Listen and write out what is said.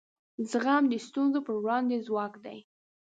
زغم د ستونزو پر وړاندې ځواک دی.